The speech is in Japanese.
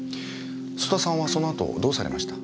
曽田さんはその後どうされました？